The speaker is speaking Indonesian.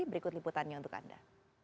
berikut liputannya untuk anda